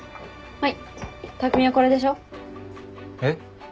はい。